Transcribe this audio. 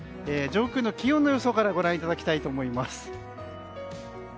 上空の気温の予想からご覧いただきたいと思います。